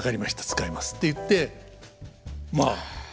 使います」って言ってまあ